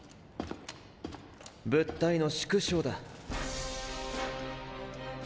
物体の縮小だ。